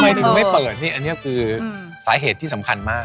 ทำไมถึงไม่เปิดนี่อันนี้คือสาเหตุที่สำคัญมาก